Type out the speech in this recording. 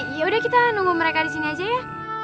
yaudah kita nunggu mereka disini aja ya